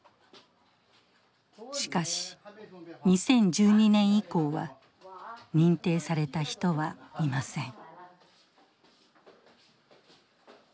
しかし２０１２年以降は認定された人はいません。